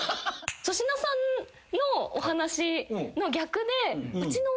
粗品さんのお話の逆でうちの。